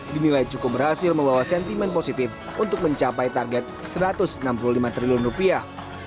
dinilai cukup berhasil membawa sentimen positif untuk mencapai target satu ratus enam puluh lima triliun rupiah